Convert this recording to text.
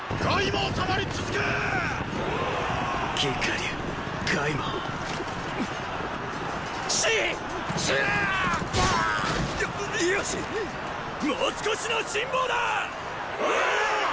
もう少しの辛抱だっ！